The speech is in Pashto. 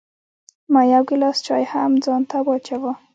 ما یو بل ګیلاس چای هم ځان ته واچوه.